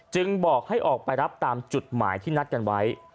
บอกให้ออกไปรับตามจุดหมายที่นัดกันไว้